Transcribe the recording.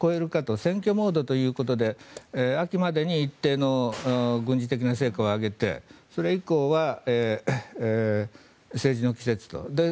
選挙モードということで秋までに一定の軍事的な成果を上げてそれ以降は政治の季節と。